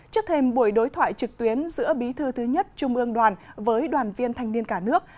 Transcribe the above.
trước thêm buổi đối thoại trực tuyến giữa bí thư thứ nhất trung ương đoàn với đoàn viên thanh niên cả nước